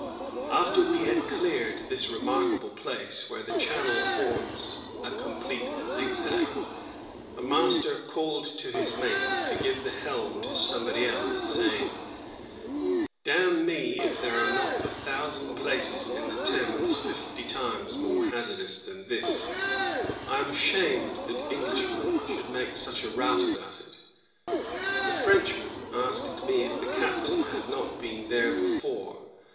After we had cleared this remarkable place, where the channel forms a complete zigzag, the master called to his mate to give the helm to somebody else, saying, 'Damn me if there are not a thousand places in the Thames fifty times more hazardous than this; I am ashamed that Englishmen should make such a rout about it.' The Frenchman asked me if the captain had not been there before.